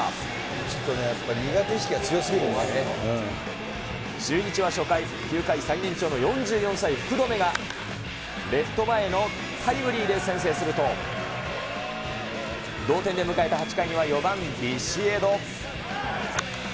ちょっとね、中日は初回、球界最年長の４４歳の福留がレフト前へのタイムリーで先制すると、同点で迎えた８回には４番ビシエド。